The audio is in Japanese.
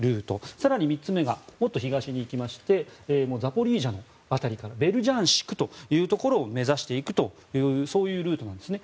更に３つ目がもっと東に行きましてザポリージャの辺りからベルジャンシクというところを目指していくというそういうルートなんですね。